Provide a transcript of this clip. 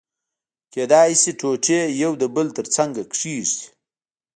کېدای شي ټوټې يو د بل تر څنګه کېږدي.